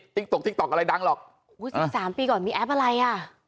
ติ๊กตกติ๊กตอกอะไรดังหรอก๑๓ปีก่อนมีแอปอะไรอ่ะ